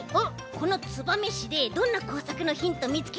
この燕市でどんなこうさくのヒントみつけてきたの？